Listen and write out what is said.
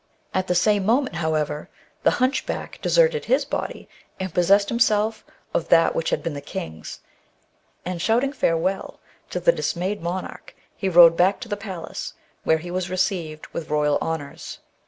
At the same moment. ORIGIN OF THE WERE WOLF MYTH. 167 however, the hunchback deserted his body, and possessed himself of that which had been the king's, and shouting farewell to the dismayed monarch, he rode back to the palace, where he was received with royal honours.